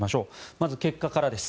まず結果からです。